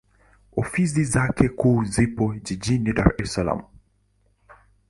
Ofisi zake kuu zipo Jijini Dar es Salaam.